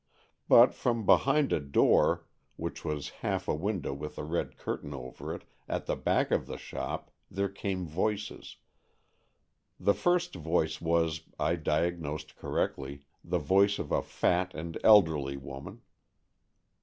But from behind a door, which was half a window with a red curtain over it, at the back of the shop, there came voices. The first voice was, I diag nosed correctly, the voice of a fat and elderly woman.